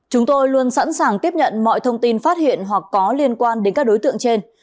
chúng tôi luôn sẵn sàng tiếp nhận mọi thông tin phát hiện hoặc có liên quan đến các đối tượng trên